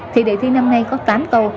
thì đề thi năm nay có tám câu